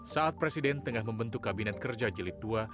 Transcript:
saat presiden tengah membentuk kabinet kerja jilid dua